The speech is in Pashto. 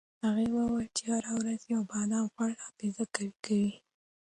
هغه وویل چې هره ورځ یو بادام خوړل حافظه قوي کوي.